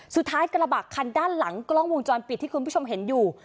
กระบะคันด้านหลังกล้องวงจรปิดที่คุณผู้ชมเห็นอยู่